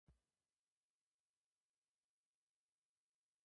ふふふフレッシュ、ふふふフレッシュ、ふふふフレッシュなオリーブいかがですか？